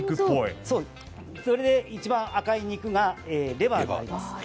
それで一番赤い肉がレバーになります。